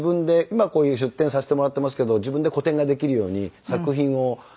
今こういう出展させてもらっていますけど自分で個展ができるように作品をたくさん集めて。